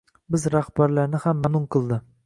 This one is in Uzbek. Biz rahbarlarni ham mamnun qildi.